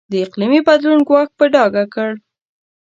د اقلیمي بدلون ګواښ په ډاګه کړ.